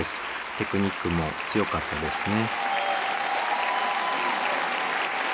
テクニックも強かったですね。